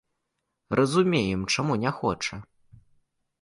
Разумеем, чаму не хоча.